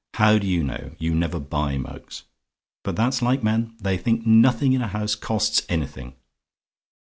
How do you know? You never buy mugs. But that's like men; they think nothing in a house costs anything.